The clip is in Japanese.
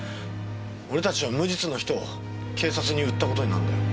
俺たちは無実の人を警察に売った事になるんだよ。